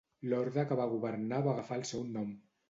L'Horda que va governar va agafar el seu nom.